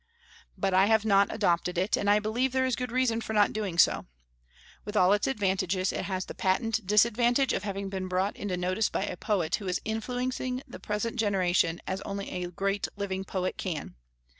But I have not adopted it; and I believe there is good reason for not doing so. With all its advantages, it has the patent disadvantage of having been brought into notice by a poet who is influencing the present generation as only a great living poet can.